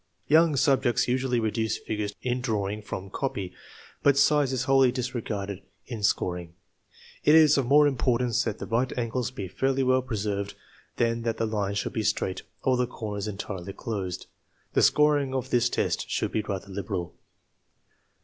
Young subjects usually reduce figures in drawing from copy, but size is wholly disregarded in scoring. It is of more im portance that the right angles be fairly well preserved than that the lines should be straight or the comers entirely closed. The scoring of this test should be rather liberal.